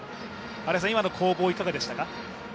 今の攻防、いかがでしたか。